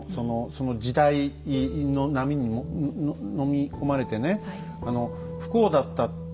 「その時代の波にのみ込まれてね不幸だった。